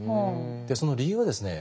その理由はですね